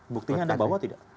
buktinya anda bawa tidak